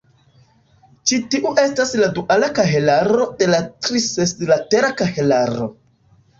Ĉi tiu estas la duala kahelaro de la tri-seslatera kahelaro.